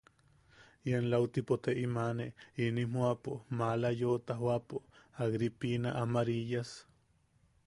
–Ian lautipo te im aane inim joʼapo, maala yoʼota joʼapo, Agripina Amariyas.